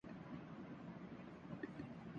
ہر خاتون کو حق حاصل ہے کہ وہ خود کو پرکشش سمجھے ریانا